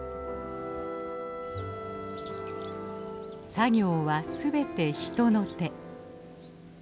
作業は全て人の手。